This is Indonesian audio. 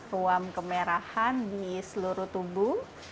ruam kemerahan di seluruh tubuh